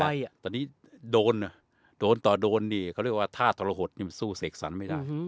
แต่ตอนนี้โดนโดนต่อโดนนี่เขาเรียกว่าท่าทะละหดสู้เสกสันไม่ได้